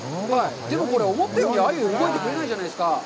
でも、これ、思ったより、アユ、動いてくれないじゃないですか。